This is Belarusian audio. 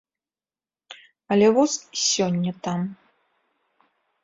Але воз і сёння там.